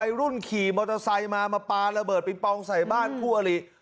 รุ่นขี่มอเตอร์ไซค์มามาปลาระเบิดปิงปองใส่บ้านคู่อลิ